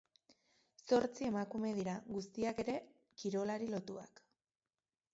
Zortzi emakume dira, guztiak ere kirolari lotuak.